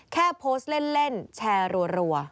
แค่โพสต์เล่นแชร์รัว